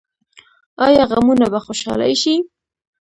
آیا غمونه به خوشحالي شي؟